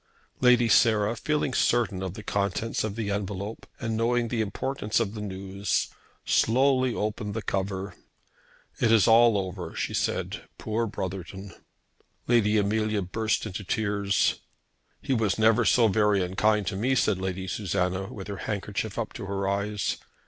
Lady Sarah, feeling certain of the contents of the envelope, and knowing the importance of the news, slowly opened the cover. "It is all over," she said, "Poor Brotherton!" Lady Amelia burst into tears. "He was never so very unkind to me," said Lady Susanna, with her handkerchief up to her eyes.